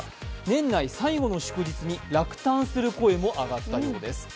年内最後の祝日に落胆する声も上がったようです。